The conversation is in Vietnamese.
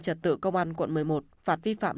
trật tự công an quận một mươi một phạt vi phạm